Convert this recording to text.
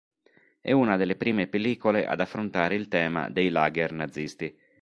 È una delle prime pellicole ad affrontare il tema dei "lager" nazisti.